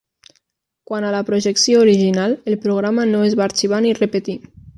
Quant a la projecció original, el programa no es va arxivar ni repetir.